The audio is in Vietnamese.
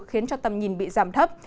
khiến cho tầm nhìn bị giảm thấp